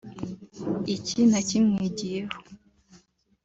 iki nakimwigiyeho